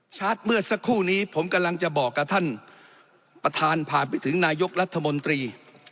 เมื่อสักครู่นี้ผมกำลังจะบอกกับท่านประธานผ่านไปถึงนายกรัฐมนตรี